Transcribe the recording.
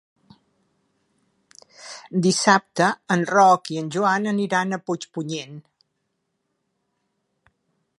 Dissabte en Roc i en Joan aniran a Puigpunyent.